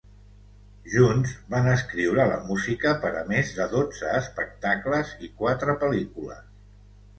Junts, van escriure la música per a més de dotze espectacles i quatre pel·lícules.